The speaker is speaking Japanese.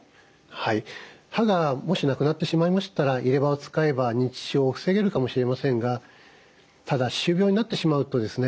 はい歯がもしなくなってしまいましたら入れ歯を使えば認知症を防げるかもしれませんがただ歯周病になってしまうとですね